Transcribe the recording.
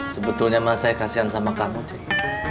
sebetulnya mah saya kasihan sama kamu ceng